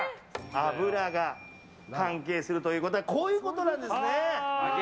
脂が関係するということでこういうことなんですね。